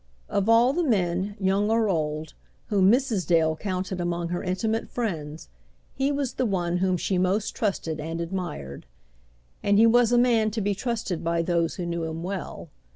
Of all the men, young or old, whom Mrs. Dale counted among her intimate friends, he was the one whom she most trusted and admired. And he was a man to be trusted by those who knew him well.